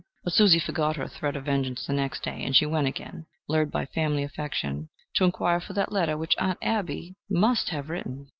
But Susie forgot her threat of vengeance the next day, and she went again, lured by family affection, to inquire for that letter which Aunt Abbie must have written.